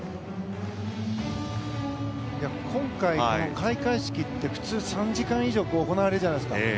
今回、この開会式って普通、３時間以上行われるじゃないですか。